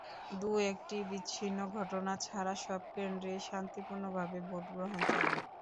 দু একটি বিচ্ছিন্ন ঘটনা ছাড়া সব কেন্দ্রেই শান্তিপূর্ণভাবে ভোট গ্রহণ চলে।